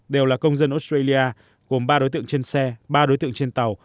đều là công dân australia gồm ba đối tượng trên xe ba đối tượng trên tàu